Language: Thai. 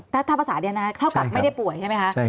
ถ้าภาษาเดียวนะเท่ากับไม่ได้ป่วยใช่ไหมคะ